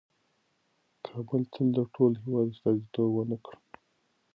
کابل تل د ټول هېواد استازیتوب ونه کړ.